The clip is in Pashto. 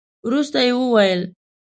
وروسته يې وويل.